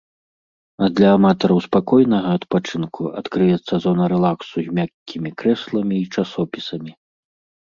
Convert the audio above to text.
А для аматараў спакойнага адпачынку адкрыецца зона рэлаксу з мяккімі крэсламі і часопісамі.